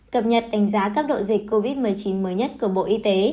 cập nhật đánh giá cấp độ dịch covid một mươi chín mới nhất của bộ y tế